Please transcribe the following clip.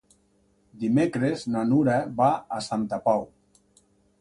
Dimecres na Nura va a Santa Pau.